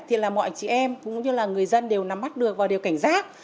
thì là mọi chị em cũng như là người dân đều nắm mắt được và đều cảnh giác